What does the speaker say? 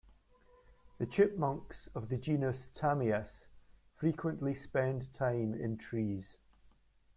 The chipmunks of the genus "Tamias" frequently spend time in trees.